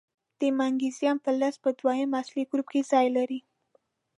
د مګنیزیم فلز په دویم اصلي ګروپ کې ځای لري.